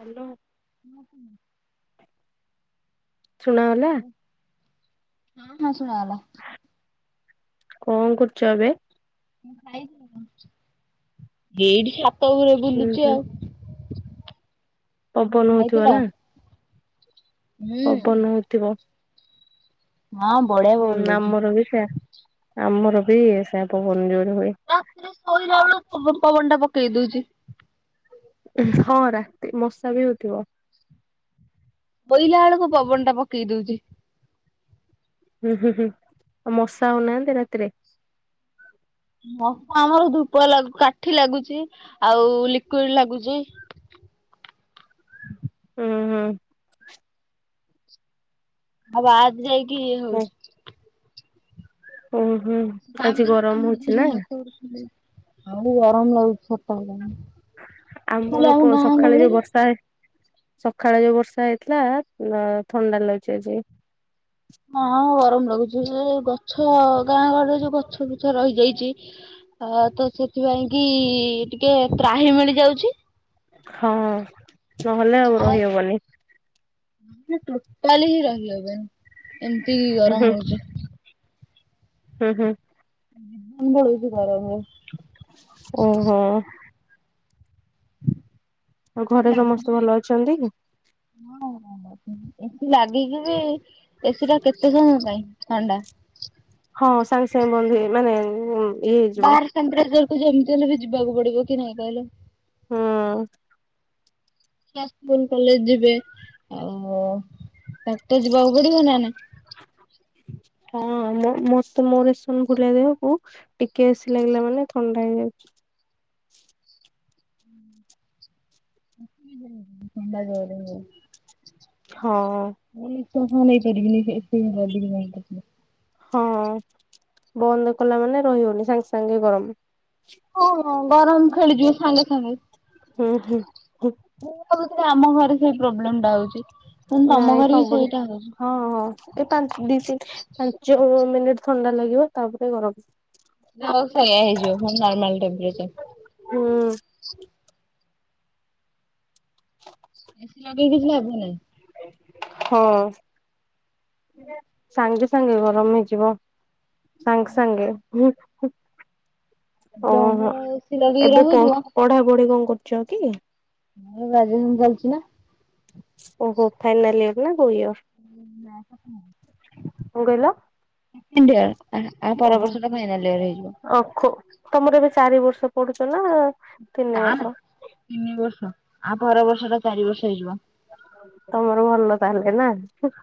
Hello. ହୁଁ ହୁଁ। [unintelligible] ଶୁଣାଗଲା? ହଁ ହଁ ଶୁଣାଗଲା। କଣ କରୁଚ ଏବେ? ମୁଁ ଖାଇ [unintelligible] ହେଇଢ଼ି ସେ ଛାତ ଉପରେ ହୁଁ ବୁଲୁଚି ହୁଁ। ଆଉ। ପବନ ଖାଇଥିଲ? ହଉଥିବନା? ହୁଁ ପବନ ହଉଥିବ। ହଁ ବଢିଆ ହୁଁ ପବନ ଦଉଚି। ଆମର ବି ସେୟା ଆମର ବି ସେ ପବନ ଜୋରରେ ହୁଏ। ରାତିରେ ଶୋଇଲାବେଳକୁ ପବନ ପବନଟା ପକେଇ ଦଉଚି। ହଁ ରାତି ମଶା ବି ହଉଥିବ। ପୋଇଲା ବେଳକୁ ପବନଟା ପକେଇ ଦଉଚି। ହୁଁ ହୁଁ ହୁଁ ଆଉ ମଶା ହଉନାହାନ୍ତି ରାତିରେ? ମଶା ଆମର ଧୂପ ଲା କାଠି ଲାଗୁଚି ଆଉ ଲିକ୍ୱିଡ଼ ଲାଗୁଚି। ହୁଁ ହୁଁ। ତା ବାଦ ଯାଇକି ଇଏ ହଉ ହଉଚି। ହୁଁ [unintelligible] ତା ଆଜି ଭିତରେ ବି ଗରମ କାମୁଡ଼ି ହଉଛି ନା ଦଉଚନ୍ତି ହାତ ଗୋଡ ଫୁଲେଇ ଆଉ ଗରମ ଲାଗୁଚି ଛାତ [unintelligible] ଆମର ପ ସକାଳେ ଯୋଉ ବର୍ଷା ସକାଳେ ଯୋଉ ବର୍ଷା ହେଇଥିଲା ଥଣ୍ଡା ଲାଗୁଛି ଆଜି। ହଁ ଗରମ ଲାଗୁଚି ଏ ଗଛ ଗାଁ ଗଳିରେ ଯୋଉ ଗଛ ବୃଛ ରହିଯାଇଚି ହ ତ ସେଥିପାଇଁ କି ଟିକେ ତ୍ରାହି ମିଳିଯାଉଚି। ହଁ ନହେଲେ ଆଉ ରହିହବନି। ଟୋଟାଲି ହିଁ ରହିହବନି ଏମିତି ହୁଁ ହୁଁ ଗରମ ହଉଚି। ହୁଁ ହୁଁ। ଜୀବନ ପଳଉଚି ଗରମରେ। ଉଁ ହୁଁ। ଆଉ ଘରେ ସମସ୍ତେ ଭଲ ଅଛନ୍ତି? ହଁ ଏସି ଲାଗିକି ବି ଏସି ଟା କେତେ ସମୟ ପାଇଁ ଥଣ୍ଡା। ହଁ ସାଙ୍ଗେ ସାଙ୍ଗେ ବନ୍ଧ ହେଇଗଲା ଉଁ [unintelligible] ବାହାର ସେମିତିରେ କୁ ଯେମିତି ହେଲେ ବି ଯିବାକୁ ପଡ଼ିବ କି ନାଇଁ କହିଲେ? ହୁଁ। [unintelligible] ସ୍କୁଲ୍ କଲେଜେ ଯିବେ ଆଉ ତାକୁ ତ ଯିବାକୁ ପଡ଼ିବ ନା। ହଁ ମୋ ମୋ ରେସନ ଫୁଲିଆ ଦେହକୁ ଟିକେ ଏସି ଲାଗିଲା ମାନେ ଥଣ୍ଡା ହେଇଯାଉଚି। [unintelligible] ଥଣ୍ଡା ଜୋରେ ହବ। ହଁ। ମୁଁ ତ ନେଇପାରିବିନି ଏତେ ଜିନିଷ [unintelligible] ହଁ ବନ୍ଦ କଲା ମାନେ ରହି ହଉନି ସାଙ୍ଗେ ସାଙ୍ଗେ ଗରମ। ହଁ ଗରମ ଖେଳିଯିବ ସାଙ୍ଗେ ସାଙ୍ଗେ। ହୁଁ ହୁଁ। ହୁଁ ମୁଁ ଭାବୁଥିଲି ଆମ ଘରେ ସେଇ ପ୍ରୋବ୍ଲେମ ଟା ହଉଛି, କିନ୍ତୁ ତମ ନାଇଁ ଘରେ ବି ସବୁରି ସେଇଟା ହେଉଛି। ହଁ ହଁ, ଏ ପାଞ୍ଚ ଦି ତିନି ପାଞ୍ଚ ମିନିଟ୍ ଥଣ୍ଡା ଲାଗିବ ତାପରେ ଗରମ। ହଉ ସେଇଆ ହେଇଯିବ ନର୍ମାଲ ଟେମ୍ପରେଚର। ହୁଁ। ଏସି ଲଗେଇ କିଛି ଲାଭ ନାହିଁ। ହଁ। ସାଙ୍ଗେ ସାଙ୍ଗେ ଗରମ ହେଇଯିବ, ସାଙ୍ଗେ ସାଙ୍ଗେ ହୁଁ ଜଣଙ୍କର ଓହୋ, ଏସି ଲଗେଇକି ଏବେ ରହୁଥିବ ପଢ଼ାପଢ଼ି କଣ କରୁଛନ୍ତି କି? [unintelligible] ଓହୋ, ଫାଇନାଲ ଇୟର ନା କୋଉ ଇୟର। [inaudible] କଣ କହିଲ? ସେକେଣ୍ଡ ଇୟର, ତା ପର ଓହୋ ବର୍ଷ ଫାଇନାଲ ଇୟର ହେଇଯିବ। [unintelligible] ତମର ଏବେ ଚାରି ବର୍ଷ ପଢୁଛ ନା? ତିନି ନା ବର୍ଷ ନା, ତିନି ବର୍ଷ ଆ ପର ବର୍ଷ ଟା ଚାରି ବର୍ଷ ହେଇଯିବ। ତମର ଭଲ ତାହେଲେ ନା?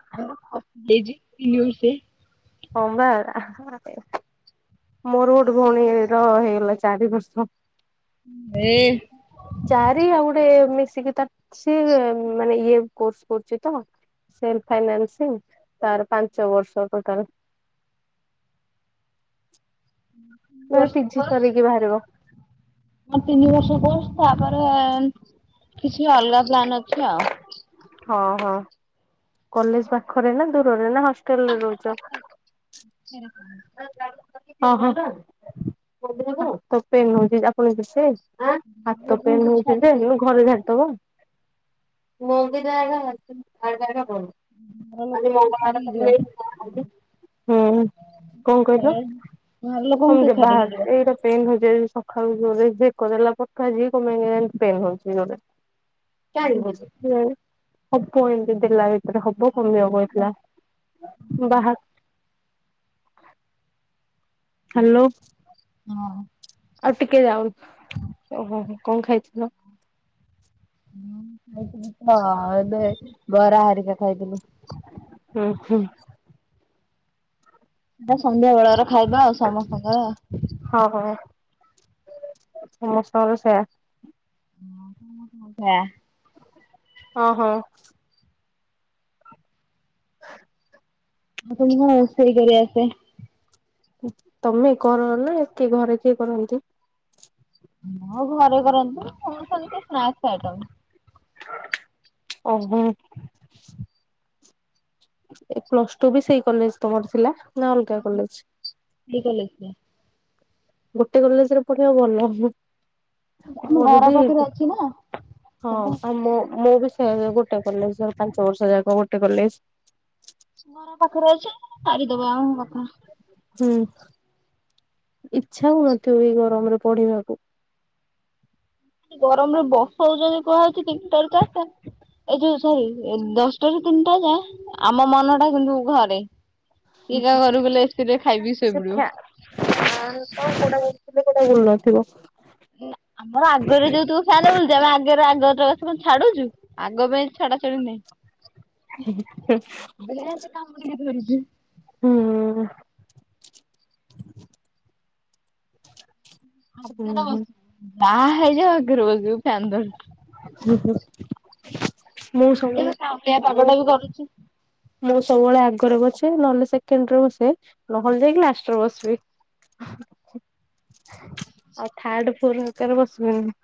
[unintelligible] ହଁ ବା, ମୋର ଗୋଟେ ଭଉଣୀ ର ହେଇଗଲା ଚାରି ବର୍ଷ। [unintelligible] ଚାରି ଅଙ୍ଗେ ଗୋଟେ ମିଶିକି, ସିଏ ମାନେ ଇଏ କୋର୍ସ କରୁଛି ତ। ସେଇ ଫାଇନାନ୍ସ ତାର ପାଞ୍ଚ ବର୍ଷ ଟୋଟାଲ। [inaudible] ସେ ବର୍ଷ ପିଜି କରିକି ବାହାରିବ। ମ ତିନି ବର୍ଷ ପରେ, ତାପରେ କିଛି ଅଲଗା ପ୍ଲାନ୍ ଅଛି ଆଉ। ହଁ ହଁ, କଲେଜ ପାଖରେ ନା ଦୂରରେ, ନା ହଷ୍ଟେଲରେ ରହୁଛ? [inaudible] [inaudible] ଆ ହାତ ପେନ୍ ହଉଛି, ଯେ ଲୋକଙ୍କୁ ଛାଡିକି ଘର ଯିବ ଝାଡ଼ିଦବ। ମୁଁ ବି [unintelligible] [unintelligible] [unintelligible] ଘର ଲୋକଙ୍କୁ ଛାଡିକି ଯିବ [unintelligible] [unintelligible] [unintelligible] [inaudible] [inaudible] [inaudible] [inaudible] [inaudible] [inaudible] ହୁଁ କଣ କହିଲେ? ଘର ଲୋକଙ୍କୁ ହମ କିଏ ଯ ଛାଡିକି ଯିବ। ବାହାର ଏଇଟା [unintelligible] [unintelligible] ବାହା ହ୍ୟାଲୋ। ହଁ। ଆଉ ଟିକେ ଯାଉ। ଓହୋ କଣ ଖାଇଥିଲ? ହଁ, ଖାଇଥିଲି ତ। ଏବେ ବରା ହରିକା ଖାଇଥିଲି। ହୁଁ ହୁଁ। ସେଟା ସନ୍ଧ୍ୟା ବେଳର ଖାଇବା ଆଉ ସମସ୍ତଙ୍କର। ହଁ ହଁ, ସମସ୍ତଙ୍କର ସେୟା। [unintelligible] ହଁ ହଁ। ହ। ଆପଣଙ୍କୁ କଣ ରୋଷେଇ କରି ଆସେ? ତମେ କର ନା କିଏ ଘରେ କିଏ କରନ୍ତି? ହଁ ଘରେ କରନ୍ତି, [unintelligible] ଓହୋ। ଏ ପ୍ଲସ ଟୁ ବି ସେଇ କଲେଜ ତମର ଥିଲା ନା ଅଲଗା କଲେଜ? ସେଇ କଲେଜ ରେ। ଗୋଟେ କଲେଜ ରେ ପଢିବା ଭଲ। ଆମ ମୋର ଘର ବି, ପାଖରେ ଅଛି ନା ହଁ ସେଟା ଆ ମୁଁ, ମୁଁ ବି ସେ ଗୋଟେ କଲେଜ ପାଞ୍ଚ ବର୍ଷ ଯାକ ଗୋଟେ କଲେଜ ମୋର ପାଖରେ ଅଛି ସାରିଦବା [unintelligible] ହୁଁ। ଇଚ୍ଛା ହୁଏତ ଏଇ ଗରମରେ ପଢିବାକୁ? ଗରମ ରେ [unintelligible] ତିନଟାରୁ ଚାରିଟା ଏ ଯୋଉ ସରି, ଏନ୍ ଦଶଟା ରୁ ତିନିଟା ଯାଏ ଆମ ମନ ଟା କିନ୍ତୁ ଘରେ। କିଏ କା ଘରକୁ କଲେ ଏସି ରେ ଖାଇ ପିଇ ଶୋଇ ସେ ପଡ଼ିବ। ଫ୍ୟା [unintelligible] ଆମର ଆଗରେ ଯୋଉ ତୁ ଫ୍ୟାନ ବୁଲଛି ଆମେ ଆଗରେ ଆଗର [unintelligible] ଛାଡୁଛୁ, ଆଗ ବେଞ୍ଚ୍ ଛାଡା ଛଡି ନାହିଁ। [unintelligible] [unintelligible] ହୁଁ ହୁଁ ଆଗେରେ ହୁଁ। ବଶୁ, ତା ହେଇ ଯାଉ ଆଗରେ ବସିବୁ ଫ୍ୟାନ ଧରି। [unintelligible] ମୁଁ ସବୁବେଳେ, ଏବେ କାଉଁଳିଆ ପାଗ ଟା ମୁଁ ବି କରୁଛି। ମୁଁ ସବୁବେଳେ ଆଗରେ ବସେ, ନହେଲେ ସେକେଣ୍ଡ ରେ ବସେ, ନହେଲେ ଯାଇକି ଲାଷ୍ଟରେ ବସିବି। ଆଉ ଥାର୍ଡ ଫୋର ହାଲକାରେ ବସିବନି।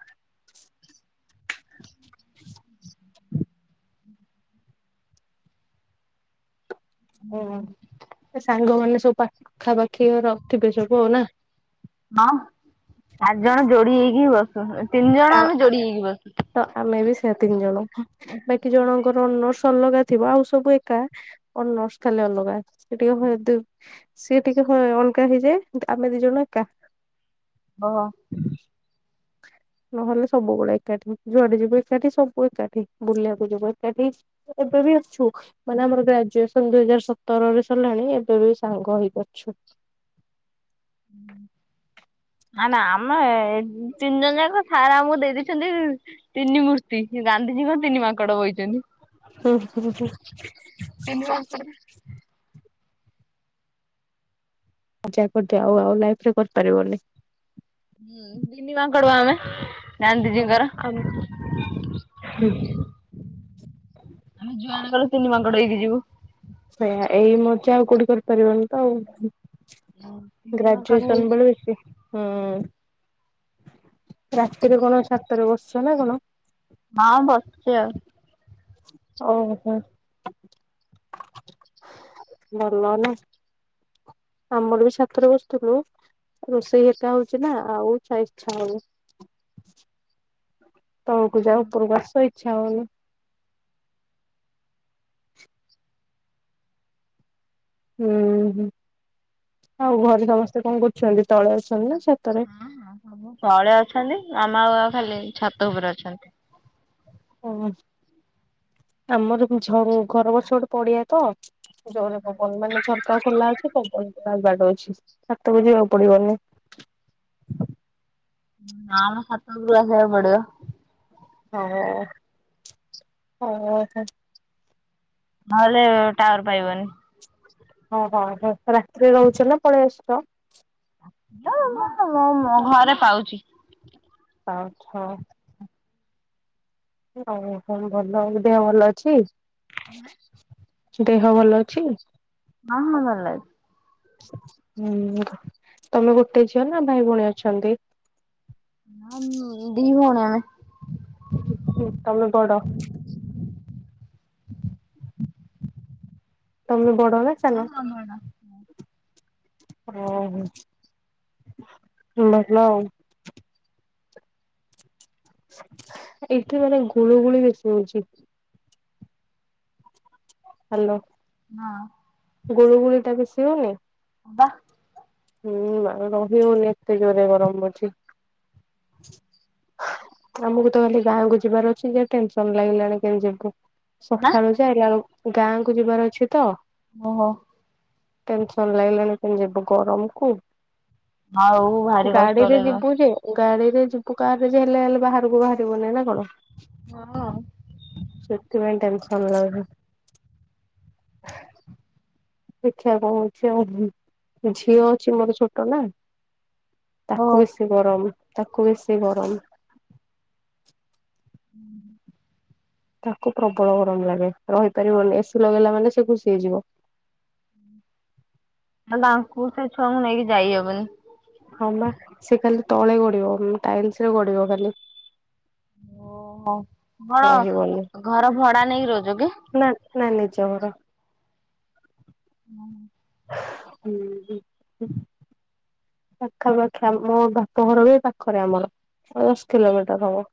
[unintelligible] ଏ ସାଙ୍ଗମାନେ ସବୁ ପାଖାପାଖି ରଖୀବେ ସବୁ ନା? ହଁ ଚାର ଜଣ ଯୋଡି ହେଇକି ବସୁ, ତିନି ଆ ଜଣ ଆମେ ଯୋଡି ହେଇକି ବସୁ। ତ ଆମେ ବି ସେ ତିନି ଜଣ ହଁ। ବାକି ଜଣଙ୍କର ଅନର୍ଶ୍ ଅଲଗା ଥିବ ଆଉ ସବୁ ଏକା। ଅନର୍ସ ଖାଲି ଅଲଗା, ସେ ଟିକେ [unintelligible] ସିଏ ଟିକେ ହଁ ଅଲଗା ହେଇଯାଏ, ଆମେ ଦି ଜଣ ଏକା। ହଁ। ନହେଲେ ସବୁବେଳେ ଏକାଠି, ଯୁଆଡେ ଯିବେ ଏକାଠି ସବୁ ଏକାଠି, ବୁଲିବାକୁ ଯିବୁ ଏକାଠି। ଏବେ ବି ଅଛୁ। ମାନେ ଆମର ଗ୍ରାଜୁଏସନ ଦୁଇ ହଜାର ସତରରେ ସରିଲାଣି, ଏବେ ବି ସାଙ୍ଗ ହେଇକି ଅଛୁ। ହୁଁ। ହା ନା ଆମେ ତିନି ଜଣ ଯାକ ସାର ଆମକୁ ଦେଇଦେଇଛନ୍ତି ତିନି ମୂର୍ତ୍ତି, ଗାନ୍ଧିଜୀଙ୍କ ତିନି ମାଙ୍କଡ ବଇଛନ୍ତି। [unintelligible] [unintelligible] ଆ ଯା କରିଦେ ଆଉ ଆଉ ଲାଇଫରେ କରିପାରିବନି। ହୁଁ ଦିନି ମାଙ୍କଡ ଆମେ ହଁ ଗାନ୍ଧିଜୀଙ୍କର ଆମ ହ ଆମେ ଜୁଆଣେ ତିନି ମାଙ୍କଡ ହେକି ଯିବୁ। ସେଇୟା ଏଇ ମୋର୍ଚ ଆଉ କଉଠି କରିପାରିବନି ତ ଆଉ। ତିନି ମାଙ୍କଡ ଗ୍ରାଜୁଏସନ ହେଇକି ବଳଛି। ହୁଁ ରାତି୍ର କ ସାତଟାରେ ବସଛ ନା କ ହଁ ବସିଛି ଆଉ। ଓହୋ ଭଲ ନା। ଆମର ବି ଛାତରେ ବସିୁଥିଲୁ ରୋଷେଇ ହେଟା ହଉଛି ନା ଆଉ ଚାଚଛା ହଉ ତଳକୁ ଯା ଉପରକୁ ଆସ ଇଚ୍ଛା ହଉନି। ହୁଁ ହୁଁ ଆଉ ଘରେ ସମସ୍ତେ କଣ କରୁଛନ୍ତି ତଳେ। ଅଛନ୍ତି ନା ଛାତରେ? ସବୁ ତଳେ ଅଛନ୍ତି ମାମା ଖାଲି ଛାତ ଉପରେ ଅଛନ୍ତି। ଓ ଆମର ଘର ଗଛ ଗୋଟେ ପଡିଆ ତ ଜୋରେ ପବନ ମାନେ ଝରକା ଖୋଲା ଅଛି ପବନ ବାଡ ଅଛି ବୋ ଯିବାକୁ ପଡିବନି। ଆଁ ହାତ ହ ଗ୍ଲାସ ହବଡୁ। ହଁ ହ ହ। ନହେଲେ ଟାୱାର ପାଇବନି। ଓହୋ ହ ରାତିରେ ରହୁଛ ନା ପଳେଇସ। ମୁ ମୁଁ ମୋ ଘରେ ପାଉଛି। ଆଛା। ହ ଭଲ ଦେହ ଭଲ ଅଛି ଦେହ ଭଲ ଅଛି। ହଁ ହଁ ଭଲ ଅଛି। ହୁଁ ତମେ ଗୋଟେ ଝିଅ ନା ଭାଇ ଭଉଣୀ ଅଛନ୍ତି? ଦି ହଣମେ। ତମେ ବଡ? ତମେ ବଡ ନା ସାନ? ଓହୋଲ ଆଉ। ଏଇଠି ମାନେ ଗୁଳୁ ଗୁଳି ବେଶୀ ହଉଛି। ହ୍ୟାଲୋ ଗରୁ ଗୁଡ ଟାକିସିିବନି। ବାହ ହୁଁ ଆଉ ରହି ହଉନି ଏତେ ଜୋରରେ ଗରମ ଅଛିି। ଆମକୁ ତ ଖାଲି ଗାଁକୁ ଯିବାର ଅଛି ଯ ଟେନସନ ଲାଗିଲାଣି କେ ଯିବୁ। ନା ସକାଳୁ ଯାଇିଲ ଗାଁ କୁ ଯିବାର ଅଛି ତ ଓହୋ। ଟେନସନ ଲାଗିଲାଣି କେମ ଯିବ ଗରମକୁୁ। ଆଉ ଭାରି କଷ୍ଟ ଗାଡିରେ ଯିବୁ ଲାଗିବ ଯେ ଗାଡିରେ ଯ କା ରେ ହେଲେ ହେଲେ ବାହାରକୁ ବାହାରିବନିଁ ନା କଣ? ହଁ ସେତ ପାଇଁ ଟେନସନ ଲ ଦେଖିବାକୁ କଉଛି ଆଉ ଝିଅ ଅଛି ମୋର ଛୋଟ ନା ଓ ତାକୁ ବେଶୀ ଗରମ ତାକୁ ବେଶୀ ଗରମ। ହୁଁ। ତାକୁ ପ୍ରବଳ ଗରମ ଲାଗେ ରହିପାରିବନି ଏସି ଲଗେଇଲା ମାନେ ସେ ଖୁସି ହେଇଯିବ। ତା ତାଙ୍କୁ ସେ ଛୁଆଙ୍କୁ ନେଇକି ଯାଇହବନି। ହଁ ବାଟ ସେ ଖାଲି ତଳେ ଗଡିବ ଟାଇଲସରେ ଗଡିବ ଖାଲି। ଓହୋ କଣ ରହିବନି ଘ ଘର ଭଡା ନେଇକି ରହୁଛ କି? ନା ନା ନିଜ ଘର। ହୁଁ। ହୁଁ। ପାଖାପାଖି ଆମ ବାପଘର ବି ପାଖରେ ଆମର। ଦଶ କିଲୋମିଟର ହବ।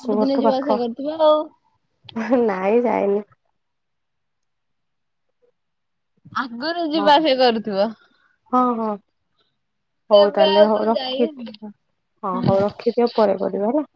ସବୁଦିନ ଯିବା ଆସିବା ପାଖ। କରୁଥିବ ଆଉ ନାଇଁ ଯାଇନି। ଆଗରୁ ହଁ ଯିବା ଆସିବା କରୁଥିବ। ହଁ ହଁ। ହଉ ଏବେ ତାହେଲେ ଆଉ ହଉ କଣ ରଖି ଯାଇ ହଁ ହଉ ରଖିଦିଅ ପରେ କରିବା ହେଲା।